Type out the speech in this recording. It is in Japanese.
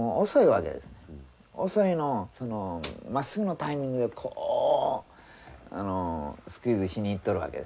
遅いのをそのまっすぐのタイミングでこうスクイズしにいっとるわけですよね。